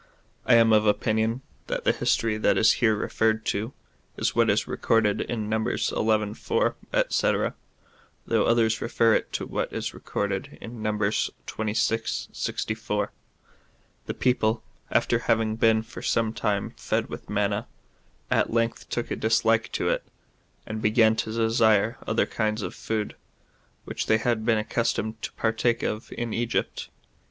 I am of opinion, that the history that is here referred to is what is recorded in Numbers xi. 4, &c., though others refer it to what is recorded in Numbers xxvi. 64. The people, after having been for some time fed with manna, at length took a dislike to it, and began to desire other kinds of food, which they had been accustomed to partake of in Egypt.